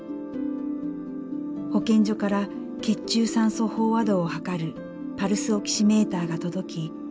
保健所から血中酸素飽和度を測るパルスオキシメーターが届き